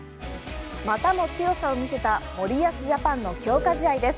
またも強さを見せた森保ジャパンの強化試合です。